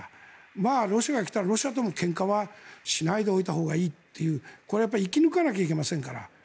まあ、ロシアが来たらロシアともけんかはしないでおいたほうがいいというこれはやっぱり生き抜かなきゃいけませんから。